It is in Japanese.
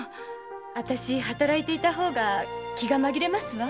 あたし働いていた方が気が紛れますわ。